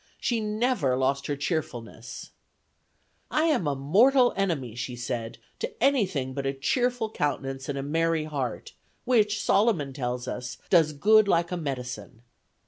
She never lost her cheerfulness. "I am a mortal enemy," she said, "to anything but a cheerful countenance and a merry heart, which Solomon tells us, does good like a medicine."